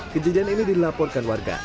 kejadian ini dilaporkan warga